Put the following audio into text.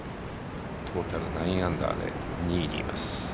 トータル９アンダーで２位にいます。